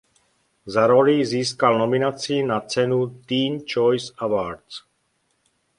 Za roli získal nominaci na cenu Teen Choice Awards.